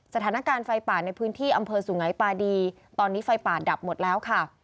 สถานการณ์ไฟป่าในพื้นที่อำเภอสุงัยปาดีตอนนี้ไฟป่าดับหมดแล้วค่ะ